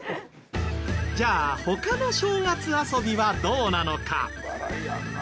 じゃあ他の正月遊びはどうなのか？